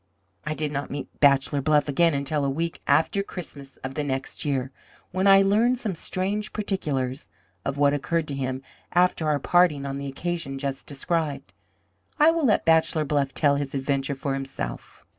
I did not meet Bachelor Bluff again until a week after Christmas of the next year, when I learned some strange particulars of what occurred to him after our parting on the occasion just described. I will let Bachelor Bluff tell his adventure for himself.